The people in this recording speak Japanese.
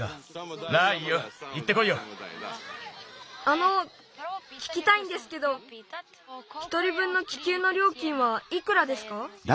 あのききたいんですけど１人ぶんの気球のりょうきんはいくらですか？